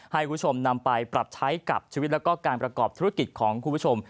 ให้คุณผู้ชมนำไปปรับใช้กับชีวิตแล้วก็การประกอบธุรกิจของคุณผู้ชม